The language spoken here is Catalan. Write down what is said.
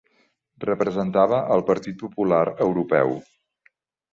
Representava al Partit Popular Europeu.